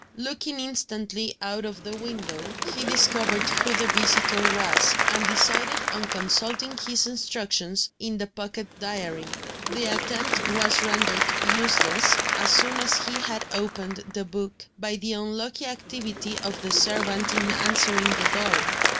Looking instantly out of the window, he discovered who the visitor was, and decided on consulting his instructions in the pocket diary. The attempt was rendered useless, as soon as he had opened the book, by the unlucky activity of the servant in answering the door.